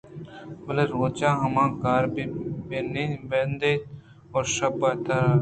بِلّے روچ ءَ آمنا کار بہ بندیت ءُ شپ ءَ ترا